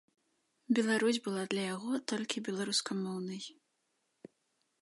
Беларусь была для яго толькі беларускамоўнай.